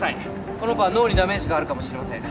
この子は脳にダメージがあるかもしれません。